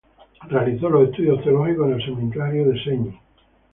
Realizó los estudios teológicos en el seminario de Segni.